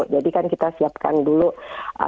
jadi kan kita siapkan dulu acaranya